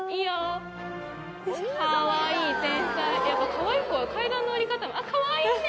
かわいい子は階段の下り方もかわいいね。